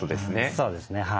そうですねはい。